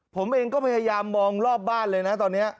ผมเองก็พยายามมองรอบบ้านเลยนะตอนนี้